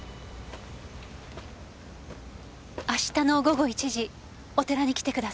明日の午後１時お寺に来てください。